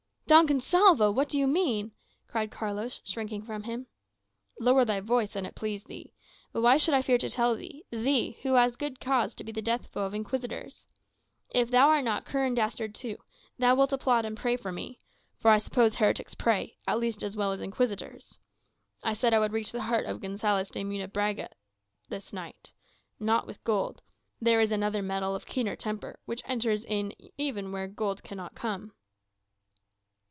"Don Gonsalvo! what do you mean?" cried Carlos, shrinking from him. "Lower thy voice, an' it please thee. But why should I fear to tell thee thee, who hast good cause to be the death foe of Inquisitors? If thou art not cur and dastard too, thou wilt applaud and pray for me. For I suppose heretics pray, at least as well as Inquisitors. I said I would reach the heart of Gonzales de Munebrãga this night. Not with gold. There is another metal of keener temper, which enters in where even gold cannot come."